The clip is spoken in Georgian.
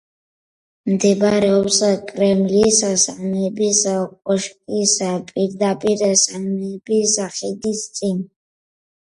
მდებარეობს კრემლის სამების კოშკის პირდაპირ, სამების ხიდის წინ.